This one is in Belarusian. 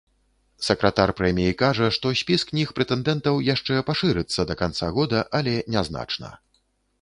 Сакратар прэміі кажа, што спіс кніг-прэтэндэнтаў яшчэ пашырыцца да канца года, але нязначна.